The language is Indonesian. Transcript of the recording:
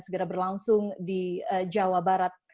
segera berlangsung di jawa barat